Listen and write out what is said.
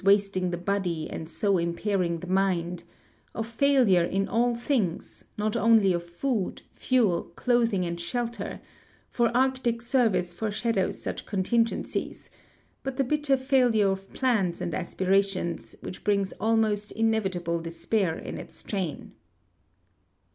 SCOPE AND VALUE OF ARCTIC EXPLORATIONS 83 ing the body, and so impairing tlie mind ; of failure in all things, not only of food, fuel, clothing, and shelter, for Arctic service foreshadows such contingencies, but the bitter failure of plans and aspirations, which brings almost inevitable despair in its train.